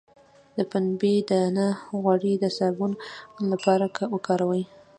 د پنبې دانه غوړي د صابون لپاره وکاروئ